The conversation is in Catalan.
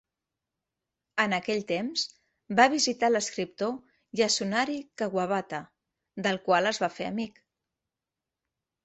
En aquell temps, va visitar l'escriptor Yasunari Kawabata, del qual es va fer amic.